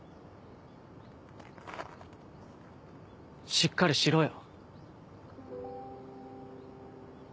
しっかりしろよ。